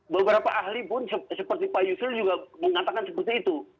beberapa ahli pun seperti pak yusril juga mengatakan seperti itu